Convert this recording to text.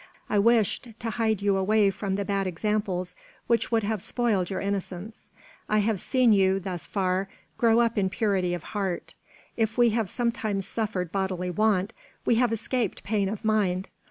I wished to hide you away from the bad examples which would have spoiled your innocence. I have seen you, thus far, grow up in purity of heart. If we have sometimes suffered bodily want, we have escaped pain of mind.